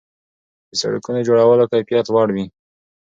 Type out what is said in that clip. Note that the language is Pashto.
د سړکونو جوړولو کیفیت لوړ وي.